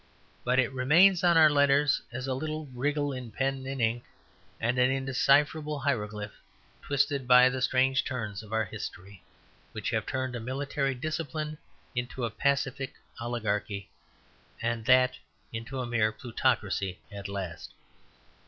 But it remains on our letters a little wriggle in pen and ink and an indecipherable hieroglyph twisted by the strange turns of our history, which have turned a military discipline into a pacific oligarchy, and that into a mere plutocracy at last.